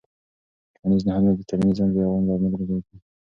ټولنیز نهادونه د ټولنیز نظم د دوام لامل کېږي.